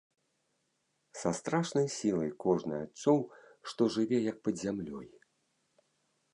Са страшнай сілай кожны адчуў, што жыве як пад зямлёй.